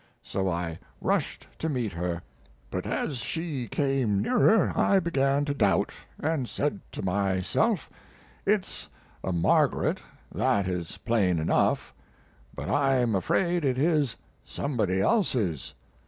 so I rushed to meet her. But as she came nearer I began to doubt, and said to myself, "It's a Margaret that is plain enough but I'm afraid it is somebody else's."